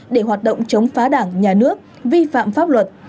để hoạt động chống phá đảng nhà nước vi phạm pháp luật